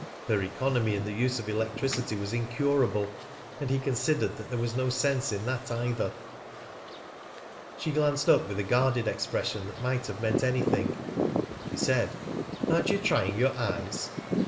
Her economy in the use of electricity was incurable, and he considered that there was no sense in that either. She glanced up with a guarded expression that might have meant anything. He said: "Aren't you trying your eyes?"